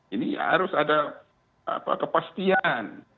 ini harus ada kepastian